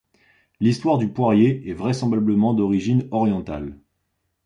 L'histoire du poirier est vraisemblablement d'origine orientale.